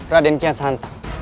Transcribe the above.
raden kian santang